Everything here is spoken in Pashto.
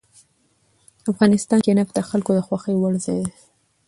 افغانستان کې نفت د خلکو د خوښې وړ ځای دی.